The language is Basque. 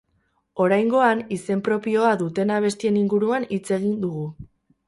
Oraingoan, izen propioa duten abestien inguruan hitz egin dugu.